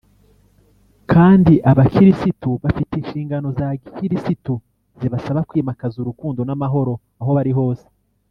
kandi abakirisitu bafite inshingano za gikirisitu zibasaba kwimakaza urukundo n’amahoro aho bari hose